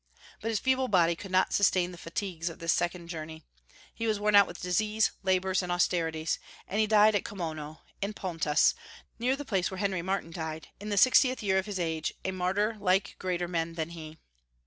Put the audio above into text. But his feeble body could not sustain the fatigues of this second journey. He was worn out with disease, labors, and austerities; and he died at Comono, in Pontus, near the place where Henry Martin died, in the sixtieth year of his age, a martyr, like greater men than he.